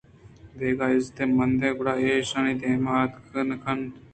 دگہ عزّت مندیں گراکے ایشانی دیم ءَ اتک نہ کنت